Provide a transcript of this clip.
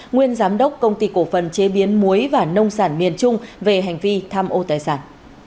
nguyên giám đốc công ty cổ phần chế biến muối và nông sản miền trung về hành vi tham ô tài sản